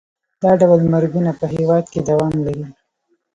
دا ډول مرګونه په هېواد کې دوام لري.